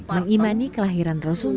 menimani kelahiran rasulullah